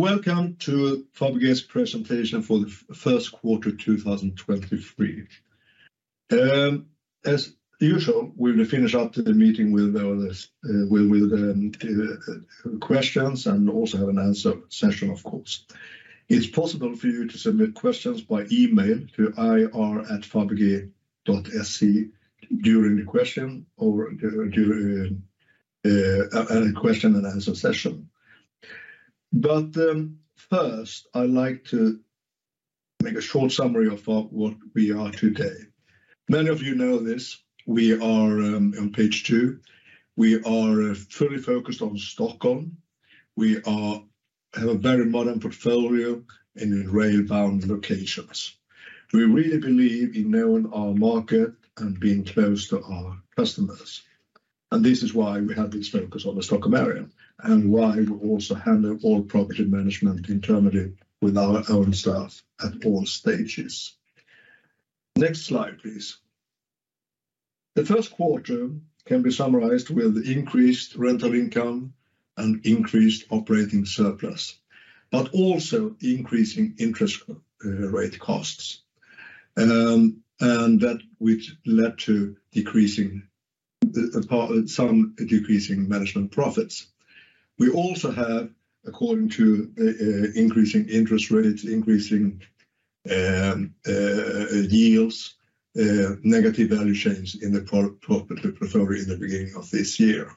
Welcome to Fabege's presentation for the first quarter 2023. As usual, we will finish up the meeting with our list, questions and also have an answer session of course. It's possible for you to submit questions by email to ir@fabege.se during the question or during a Q&A session. First, I like to make a short summary of our work we are today. Many of you know this. We are on page two, we are fully focused on Stockholm. We have a very modern portfolio and in rail-bound locations. We really believe in knowing our market and being close to our customers, and this is why we have this focus on the Stockholm area and why we also handle all property management internally with our own staff at all stages. Next slide, please. The first quarter can be summarized with increased rental income and increased operating surplus, but also increasing interest rate costs. That which led to some decreasing management profits. We also have, according to increasing interest rates, increasing yields, negative value change in the portfolio in the beginning of this year.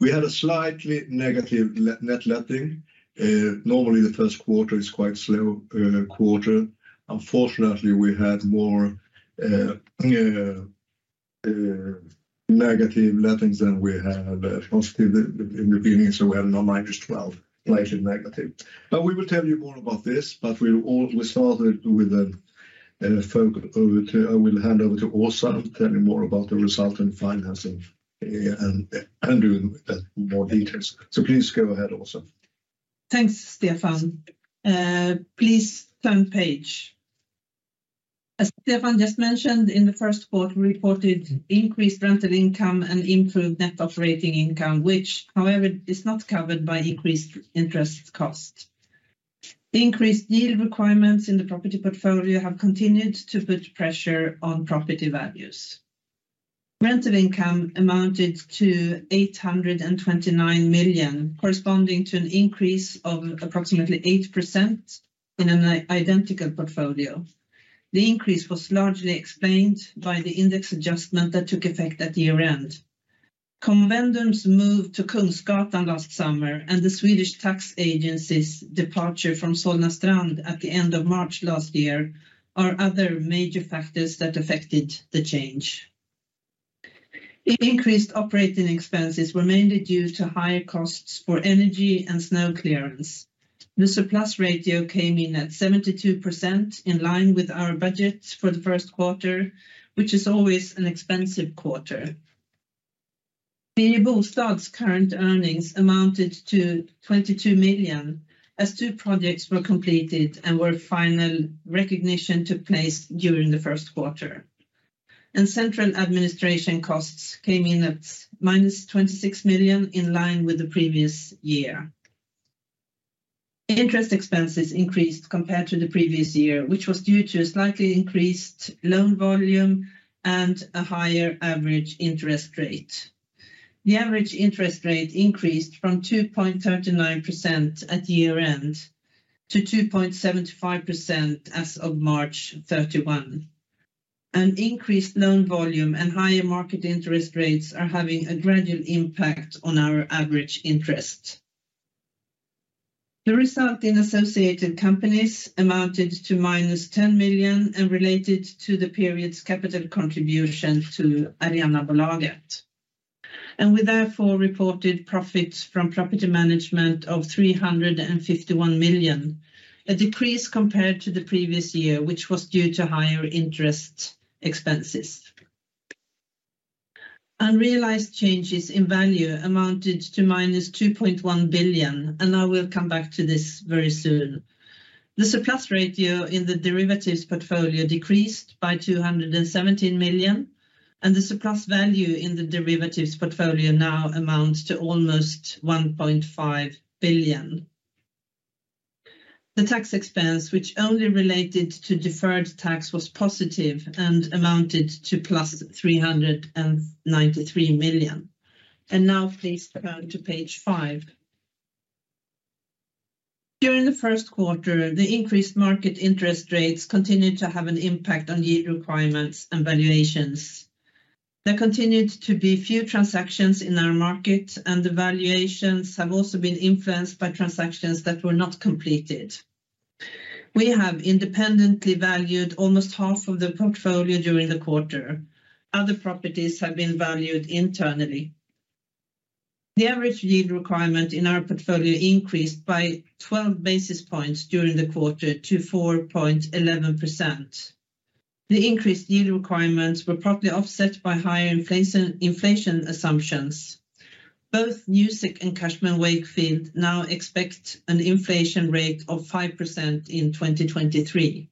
We had a slightly negative net letting. Normally the first quarter is quite slow quarter. Unfortunately, we had more negative lettings than we had positive in the beginning. We had now minus 12, slightly negative. We will tell you more about this. We'll start with the focus. I will hand over to Åsa to tell you more about the result in financing and doing that in more details. Please go ahead, Åsa. Thanks, Stefan. Please turn page. As Stefan just mentioned, in the first quarter, we reported increased rental income and improved net operating income, which, however, is not covered by increased interest cost. Increased yield requirements in the property portfolio have continued to put pressure on property values. Rental income amounted to 829 million, corresponding to an increase of approximately 8% in an identical portfolio. The increase was largely explained by the index adjustment that took effect at year-end. Convendum's move to Kungsgatan last summer and the Swedish Tax Agency's departure from Solna Strand at the end of March last year are other major factors that affected the change. Increased operating expenses were mainly due to higher costs for energy and snow clearance. The surplus ratio came in at 72% in line with our budget for the first quarter, which is always an expensive quarter. Birger Bostad's current earnings amounted to 22 million as two projects were completed and were final recognition took place during the first quarter. Central administration costs came in at minus 26 million, in line with the previous year. Interest expenses increased compared to the previous year, which was due to a slightly increased loan volume and a higher average interest rate. The average interest rate increased from 2.39% at year-end to 2.75% as of March 31. An increased loan volume and higher market interest rates are having a gradual impact on our average interest. The result in associated companies amounted to -10 million and related to the period's capital contribution to Arenabolaget, and we therefore reported profits from property management of 351 million, a decrease compared to the previous year, which was due to higher interest expenses. Unrealized changes in value amounted to -2.1 billion. I will come back to this very soon. The surplus ratio in the derivatives portfolio decreased by 217 million. The surplus value in the derivatives portfolio now amounts to almost 1.5 billion. The tax expense, which only related to deferred tax, was positive and amounted to 393 million. Now please turn to page five. During the first quarter, the increased market interest rates continued to have an impact on yield requirements and valuations. There continued to be few transactions in our market. The valuations have also been influenced by transactions that were not completed. We have independently valued almost half of the portfolio during the quarter. Other properties have been valued internally. The average yield requirement in our portfolio increased by 12 basis points during the quarter to 4.11%. The increased yield requirements were partly offset by higher inflation assumptions. Both Newsec and Cushman & Wakefield now expect an inflation rate of 5% in 2023.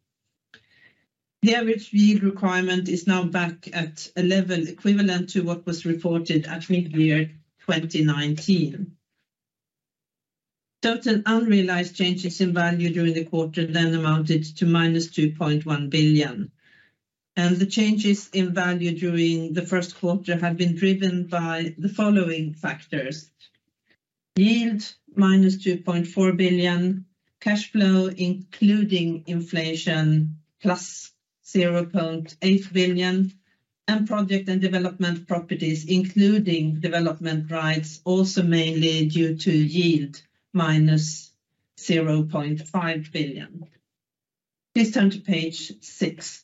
The average yield requirement is now back at 11, equivalent to what was reported at mid-year 2019. Total unrealized changes in value during the quarter then amounted to -2.1 billion. The changes in value during the first quarter have been driven by the following factors: yield -2.4 billion, cash flow including inflation 0.8 billion, and project and development properties, including development rights, also mainly due to yield -0.5 billion. Please turn to page six.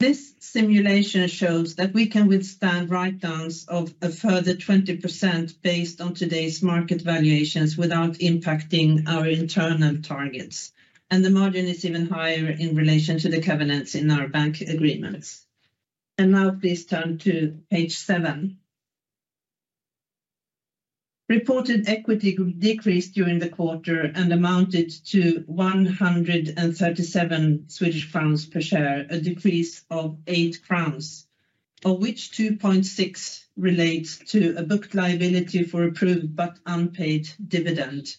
This simulation shows that we can withstand write-downs of a further 20% based on today's market valuations without impacting our internal targets, and the margin is even higher in relation to the covenants in our bank agreements. Now please turn to page seven. Reported equity decreased during the quarter and amounted to 137 Swedish crowns per share, a decrease of 8 crowns, of which 2.6 relates to a booked liability for approved but unpaid dividend.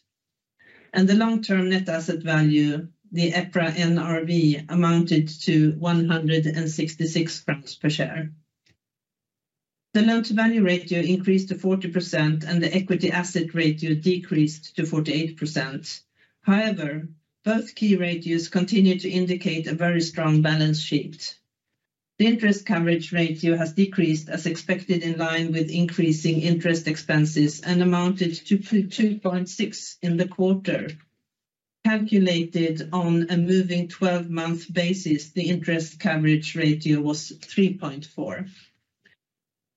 The long-term net asset value, the EPRA NRV, amounted to SEK 166 per share. The loan-to-value ratio increased to 40%, and the equity asset ratio decreased to 48%. However, both key ratios continue to indicate a very strong balance sheet. The interest coverage ratio has decreased as expected in line with increasing interest expenses and amounted to 2.6 in the quarter. Calculated on a moving 12-month basis, the interest coverage ratio was 3.4.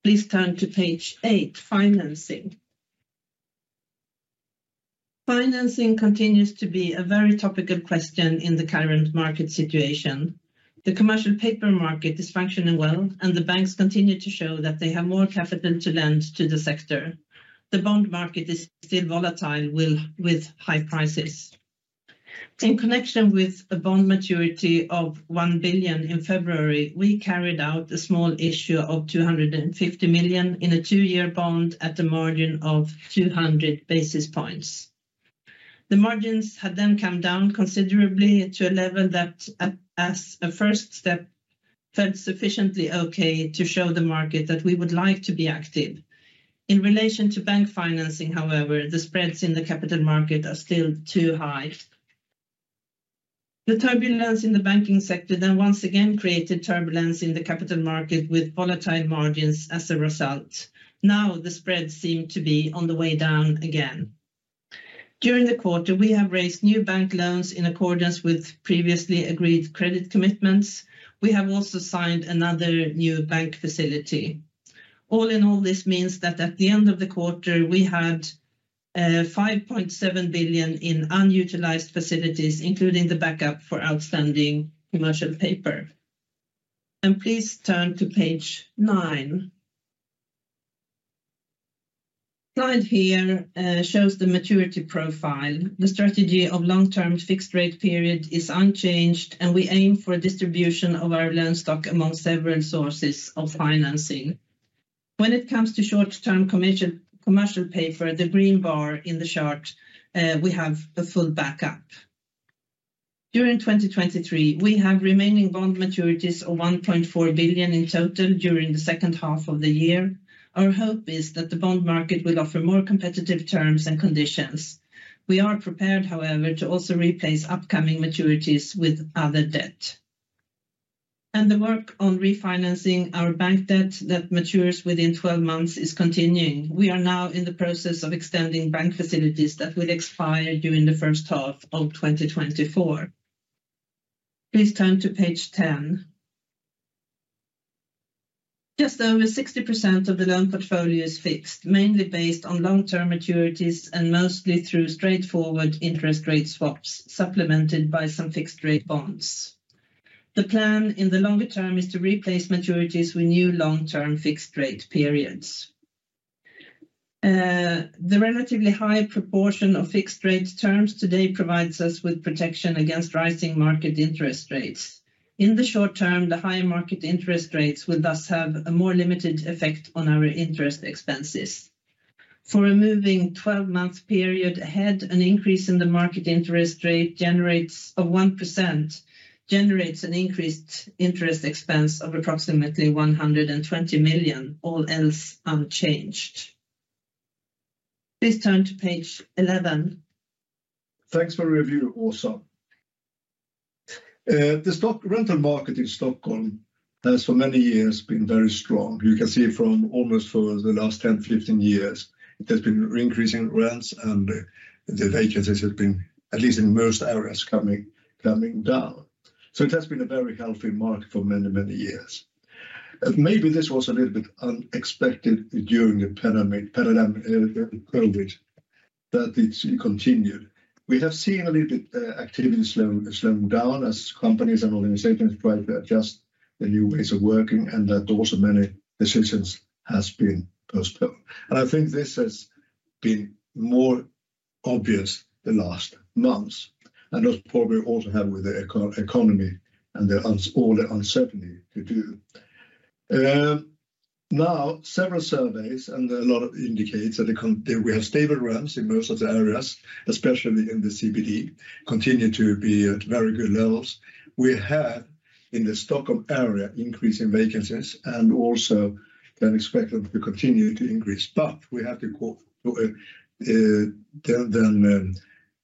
Please turn to page eight, financing. Financing continues to be a very topical question in the current market situation. The commercial paper market is functioning well, and the banks continue to show that they have more capital to lend to the sector. The bond market is still volatile with high prices. In connection with a bond maturity of 1 billion in February, we carried out a small issue of 250 million in a two-year bond at a margin of 200 basis points. The margins have then come down considerably to a level that, as a first step, felt sufficiently okay to show the market that we would like to be active. In relation to bank financing, however, the spreads in the capital market are still too high. The turbulence in the banking sector then once again created turbulence in the capital market with volatile margins as a result. Now the spreads seem to be on the way down again. During the quarter, we have raised new bank loans in accordance with previously agreed credit commitments. We have also signed another new bank facility. All in all, this means that at the end of the quarter, we had 5.7 billion in unutilized facilities, including the backup for outstanding commercial paper. Please turn to page nine. Slide here shows the maturity profile. The strategy of long-term fixed rate period is unchanged, and we aim for a distribution of our loan stock among several sources of financing. When it comes to short-term commercial paper, the green bar in the chart, we have a full backup. During 2023, we have remaining bond maturities of 1.4 billion in total during the second half of the year. Our hope is that the bond market will offer more competitive terms and conditions. We are prepared, however, to also replace upcoming maturities with other debt. The work on refinancing our bank debt that matures within 12 months is continuing. We are now in the process of extending bank facilities that will expire during the first half of 2024. Please turn to page 10. Just over 60% of the loan portfolio is fixed, mainly based on long-term maturities and mostly through straightforward interest rate swaps, supplemented by some fixed rate bonds. The plan in the longer term is to replace maturities with new long-term fixed rate periods. The relatively high proportion of fixed rate terms today provides us with protection against rising market interest rates. In the short term, the higher market interest rates will thus have a more limited effect on our interest expenses. For a moving 12-month period ahead, an increase in the market interest rate generates an increased interest expense of approximately 120 million, all else unchanged. Please turn to page 11. Thanks for review, Åsa. The stock rental market in Stockholm has for many years been very strong. You can see from almost for the last 10, 15 years, it has been increasing rents and the vacancies have been, at least in most areas, coming down. It has been a very healthy market for many, many years. Maybe this was a little bit unexpected during the COVID that it's continued. We have seen a little bit activity slowing down as companies and organizations try to adjust the new ways of working and that also many decisions has been postponed. I think this has been more obvious the last months, and those problems also have with the eco-economy and all the uncertainty to do. Now several surveys and a lot of indicates that we have stable rents in most of the areas, especially in the CBD, continue to be at very good levels. We have, in the Stockholm area, increase in vacancies and also then expected to continue to increase. We have to go to a then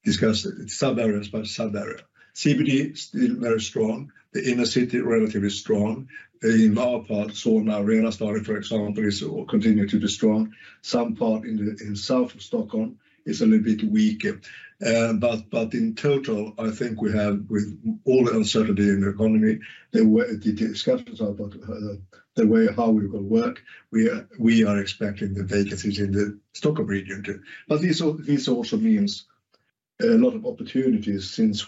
discuss sub-areas by sub-area. CBD is still very strong. The inner city, relatively strong. The lower part, Solna, Arenastaden, for example, is all continue to be strong. Some part in the south of Stockholm is a little bit weaker. In total, I think we have with all the uncertainty in the economy, the discussions are about the way how we will work. We are expecting the vacancies in the Stockholm region. This also means a lot of opportunities since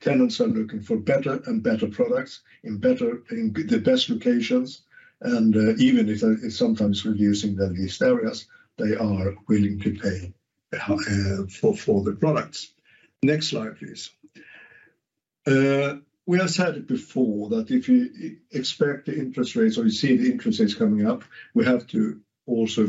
tenants are looking for better and better products in the best locations. Even if they're sometimes reducing in these areas, they are willing to pay for the products. Next slide, please. We have said it before that if you expect the interest rates or you see the interest rates coming up, we have to also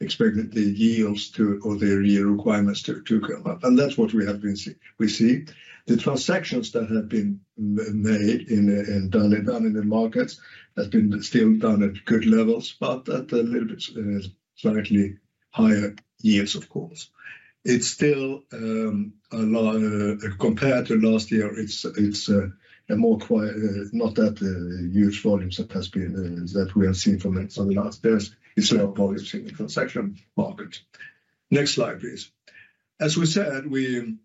expect the yields to, or the yield requirements to come up. That's what we have been we see. The transactions that have been made in done in the markets has been still done at good levels, but at a little bit slightly higher yields of course. It's still a lot compared to last year, it's a more quiet, not that huge volumes that has been that we have seen from some of last years. It's lower volumes in the transaction market. Next slide, please. As we said, we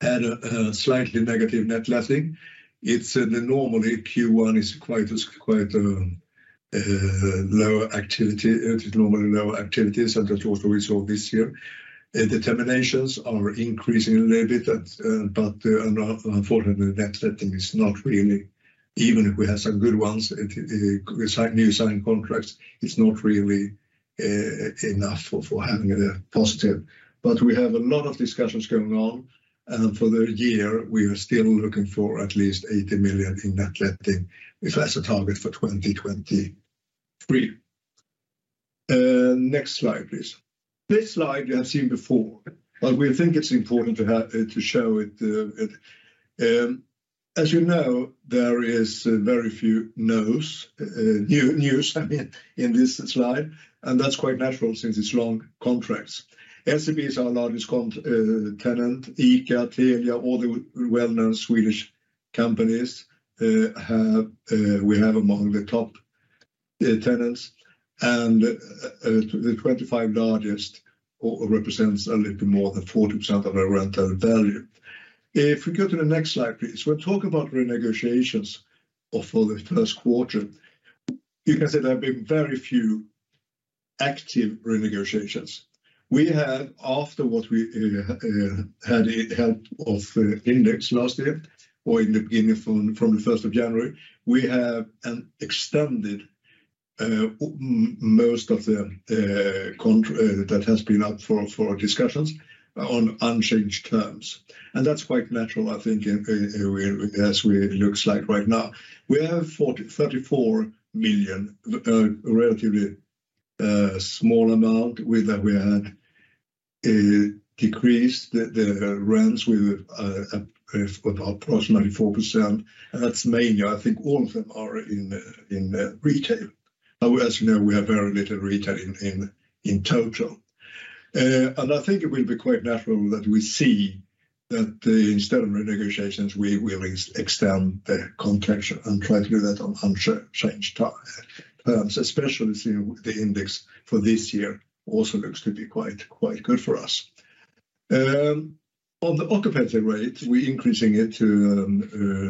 had a slightly negative net letting. It's the normally Q1 is quite lower activity. It is normally lower activities and that's also we saw this year. The terminations are increasing a little bit at, but unfortunately, the net letting is not really, even if we have some good ones, new signed contracts, it's not really enough for having a positive. We have a lot of discussions going on. For the year, we are still looking for at least 80 million in net letting. If that's a target for 2023. Next slide, please. This slide you have seen before, but we think it's important to show it. As you know, there is very few new news, I mean, in this slide, and that's quite natural since it's long contracts. SEB is our largest tenant, ICA, Telia, all the well-known Swedish companies, we have among the top tenants. The 25 largest represents a little more than 40% of our rental value. If we go to the next slide, please. We'll talk about renegotiations of the first quarter. You can see there have been very few active renegotiations. We have, after what we had in help of index last year or in the beginning from the 1st of January, we have extended most of the that has been up for discussions on unchanged terms. That's quite natural, I think, as it looks like right now. We have 34 million, relatively small amount with that we had decreased the rents with approximately 4%. That's mainly, I think all of them are in retail. As you know, we have very little retail in total. I think it will be quite natural that we see that instead of renegotiations, we extend the contracts and try to do that on unchanged terms, especially seeing the index for this year also looks to be quite good for us. On the occupancy rate, we're increasing it to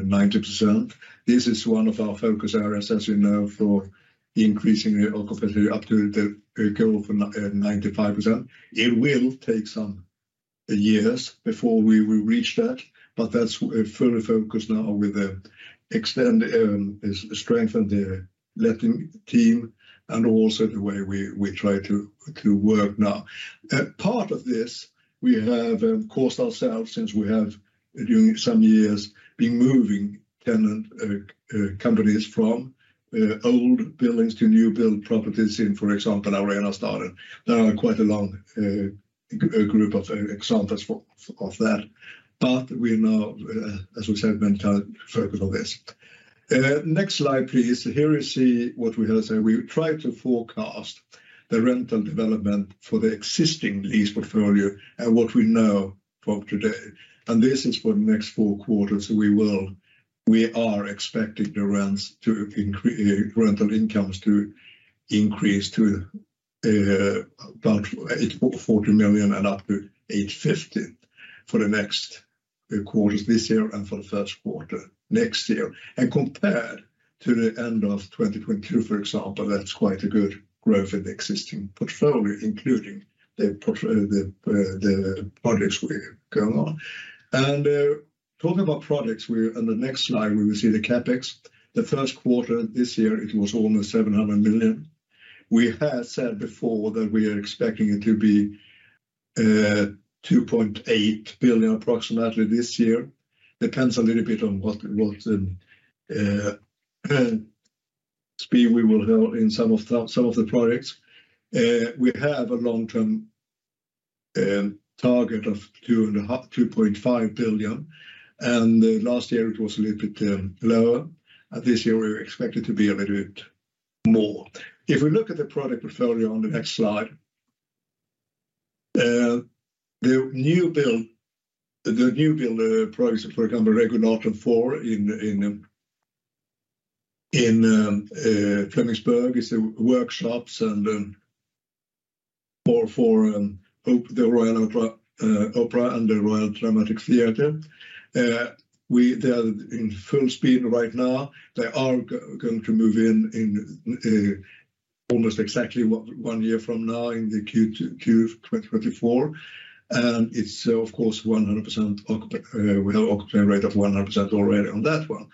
90%. This is one of our focus areas, as you know, for increasing the occupancy up to the goal of 95%. It will take some years before we will reach that, but that's a full focus now with the extend, is strengthen the letting team and also the way we try to work now. Part of this, we have caused ourselves since we have, during some years, been moving tenant companies from old buildings to new build properties in, for example, Arenastaden. There are quite a long group of examples of that. We're now, as we said, went our focus on this. Next slide, please. Here you see what we have said. We try to forecast the rental development for the existing lease portfolio and what we know from today. This is for the next four quarters, we are expecting the rents to rental incomes to increase to about 40 million and up to 850 million for the next quarters this year and for the first quarter next year. Compared to the end of 2022, for example, that's quite a good growth in the existing portfolio, including the projects we're going on. Talking about products, we, on the next slide, we will see the CapEx. The first quarter this year it was almost 700 million. We have said before that we are expecting it to be 2.8 billion approximately this year. Depends a little bit on what speed we will have in some of the products. We have a long-term target of 2.5 billion. Last year it was a little bit lower. This year we're expected to be a little bit more. If we look at the product portfolio on the next slide. The new build products, for example, Regulatorn 4 in Flemingsberg is workshops and for the Royal Opera and the Royal Dramatic Theatre. They are in full speed right now. They are going to move in almost exactly one year from now in the Q2 2024. It's of course 100% we have occupancy rate of 100% already on that one.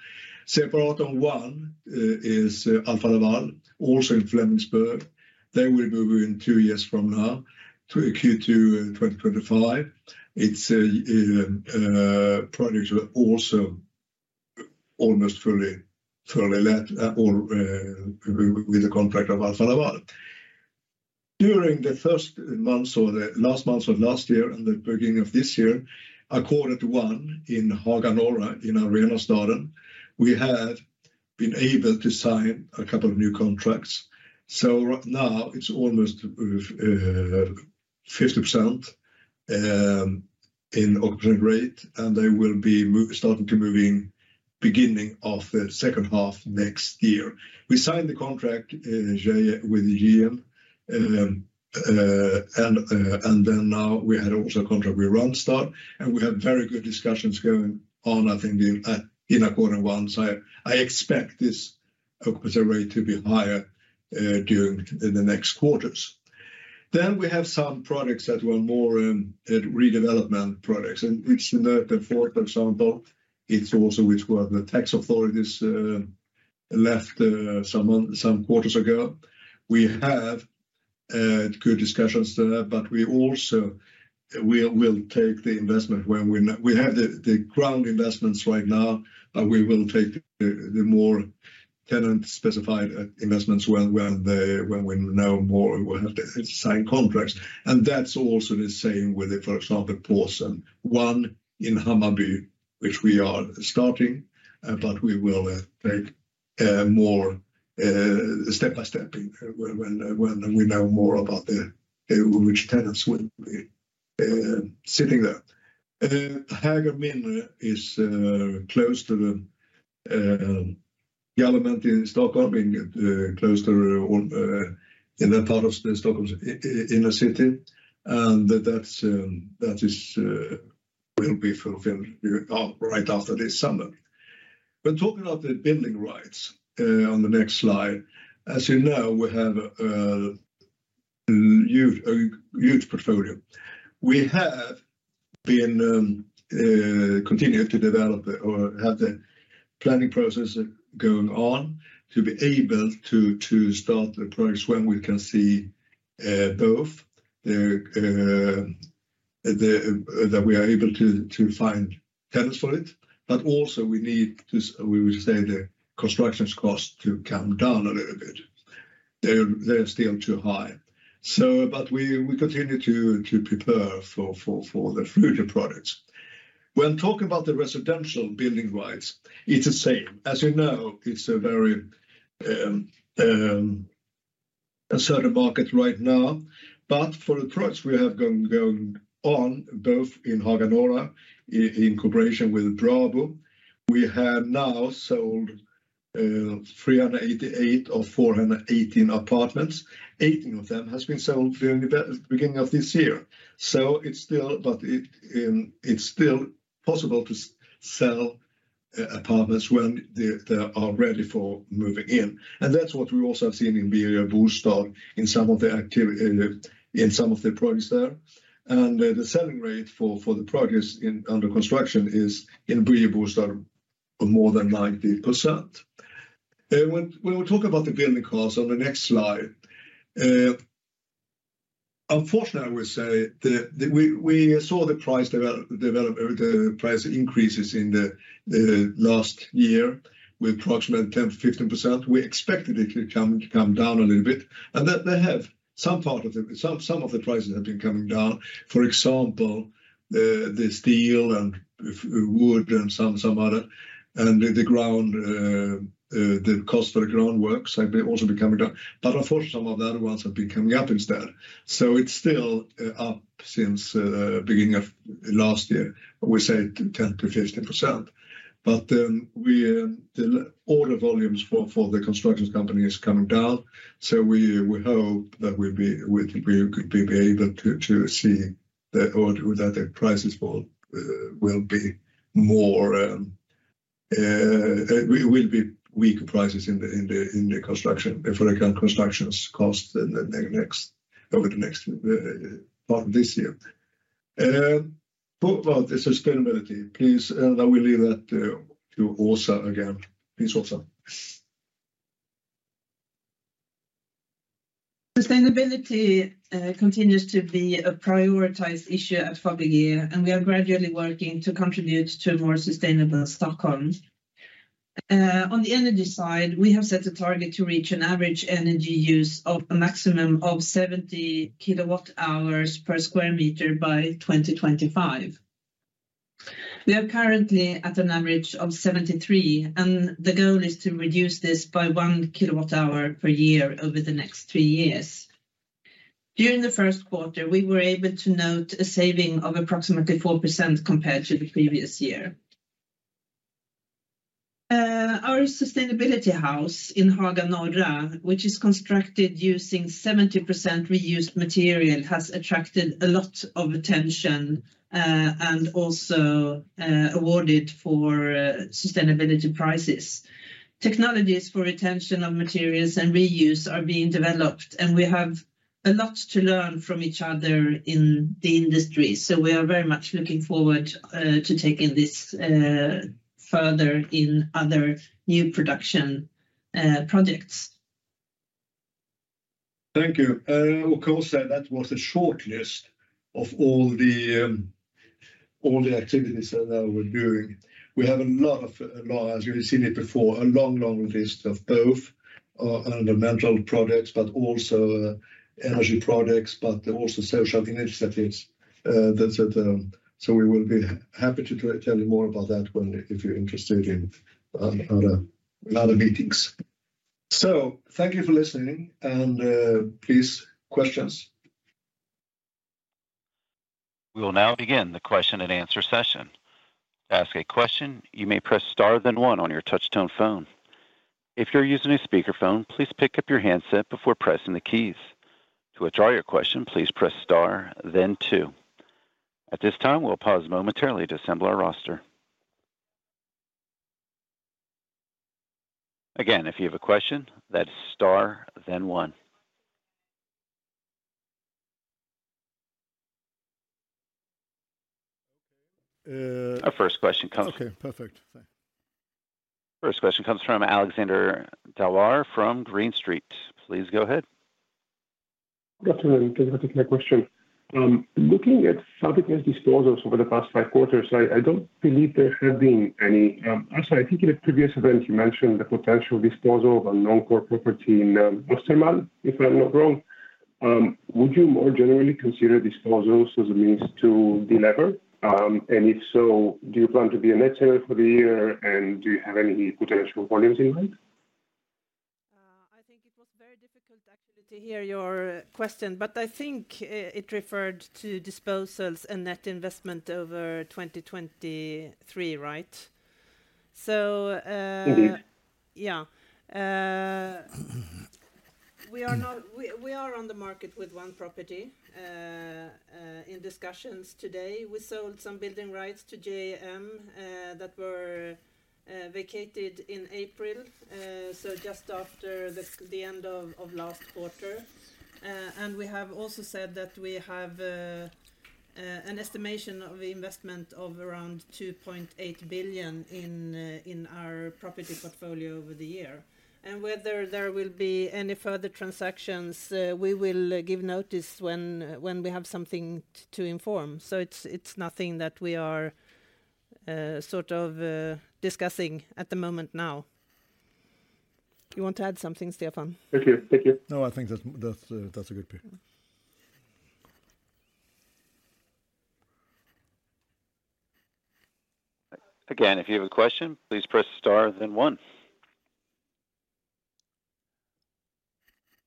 Separatorn 1 is Alfa Laval, also in Flemingsberg. They will move in two years from now to Q2 2025. It's a project also almost fully let or with the contract of Alfa Laval. During the first months or the last months of last year and the beginning of this year, Ackordet 1 in Haga Norra, in Arenastaden, we have been able to sign a couple of new contracts. Right now it's almost 50% in occupancy rate, and they will be starting to moving beginning of the second half next year. We signed the contract with JM. Now we had also a contract with Randstad, and we have very good discussions going on, I think in Ackordet 1. I expect this occupancy rate to be higher in the next quarters. We have some products that were more redevelopment products. Which Regula Ton 4, for example, it's also which were the tax authorities left some quarters ago. We have good discussions there, but we will take the investment when we have the ground investments right now, but we will take the more tenant-specified investments when we know more, we'll have to sign contracts. That's also the same with, for example, Porten 1 in Hammarby, which we are starting, but we will take more step by step in when, when we know more about which tenants will be sitting there. Hägersten is close to the government in Stockholm, in close to in that part of the Stockholm in the city. That's, that is will be fulfilled right after this summer. Talking of the building rights on the next slide. As you know, we have a huge portfolio. We have been continuing to develop or have the planning process going on to be able to start the products when we can see both. That we are able to find tenants for it, but also we need to. We will say the constructions cost to come down a little bit. They're still too high. We continue to prepare for the future products. When talking about the residential building rights, it's the same. As you know, it's a very uncertain market right now. For the products we have going on, both in Haga Norra in cooperation with Brabo, we have now sold 388 of 418 apartments. 18 of them has been sold during the beginning of this year. It's still, but it's still possible to sell apartments when they are ready for moving in. That's what we also have seen in Birger Bostad in some of the projects there. The selling rate for the projects under construction is in Birger Bostad more than 90%. When we talk about the building costs on the next slide, unfortunately, I will say we saw the price increases in the last year with approximately 10%-15%. We expected it to come down a little bit. They have. Some of the prices have been coming down. For example, the steel and wood and some other. The ground, the cost for groundworks have also been coming down. Unfortunately, some of the other ones have been coming up instead. It's still up since beginning of last year. We say 10%-15%. We, the order volumes for the constructions company is coming down. We hope that we could be able to see the order without the prices fall, it will be more, it will be weaker prices in the construction for the current constructions cost over the next part of this year. About the sustainability please, I will leave that to Åsa again. Please, Åsa. Sustainability continues to be a prioritized issue at Fabege. We are gradually working to contribute to a more sustainable Stockholm. On the energy side, we have set a target to reach an average energy use of a maximum of 70 kilowatt-hours per square meter by 2025. We are currently at an average of 73, and the goal is to reduce this by 1 kilowatt-hour per year over the next three years. During the first quarter, we were able to note a saving of approximately 4% compared to the previous year. Our sustainability house in Haga Norra, which is constructed using 70% reused material, has attracted a lot of attention, and also awarded for sustainability prices. Technologies for retention of materials and reuse are being developed. We have a lot to learn from each other in the industry. We are very much looking forward to taking this further in other new production projects. Thank you. Of course, that was a short list of all the activities that they were doing. We have a lot, as you have seen it before, a long, long list of both fundamental products, but also energy products, but also social initiatives that are there. We will be happy to tell you more about that if you're interested in other meetings. Thank you for listening and, please, questions. We will now begin the Q&A session. To ask a question, you may press star then one on your touchtone phone. If you're using a speakerphone, please pick up your handset before pressing the keys. To withdraw your question, please press star then two. At this time, we'll pause momentarily to assemble our roster. Again, if you have a question, that's star then one. Our first question. Okay, perfect. Thanks. First question comes from Alexander Totomanov from Green Street. Please go ahead. Good afternoon. Thank you for taking my question. Looking at Fabege's disposals over the past five quarters, I don't believe there have been any. Also, I think in a previous event you mentioned the potential disposal of a non-core property in Östermalm, if I'm not wrong. Would you more generally consider disposals as a means to delever? If so, do you plan to be a net seller for the year, and do you have any potential volumes in mind? I think it was very difficult actually to hear your question, but I think, it referred to disposals and net investment over 2023, right? Yeah. We are on the market with one property in discussions today. We sold some building rights to JM that were vacated in April, so just after the end of last quarter. We have also said that we have an estimation of investment of around 2.8 billion in our property portfolio over the year. Whether there will be any further transactions, we will give notice when we have something to inform. It's nothing that we are sort of discussing at the moment now. You want to add something, Stefan? Thank you. Thank you. No, I think that's a good picture. Again, if you have a question, please press star then one.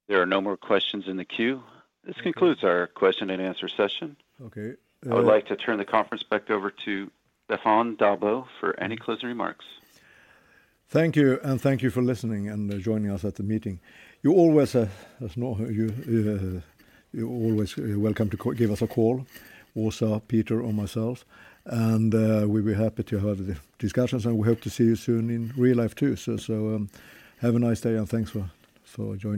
There are no more questions in the queue. This concludes our Q&A session. Okay. I would like to turn the conference back over to Stefan Dahlbo for any closing remarks. Thank you, and thank you for listening and joining us at the meeting. You always, as know, you're always welcome to give us a call, Åsa, Peter, or myself, and we'll be happy to have the discussions, and we hope to see you soon in real life too. Have a nice day and thanks for joining us.